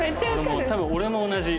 多分俺も同じ。